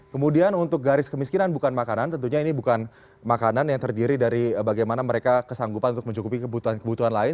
kemudian untuk garis kemiskinan bukan makanan tentunya ini bukan makanan yang terdiri dari bagaimana mereka kesanggupan untuk mencukupi kebutuhan kebutuhan lain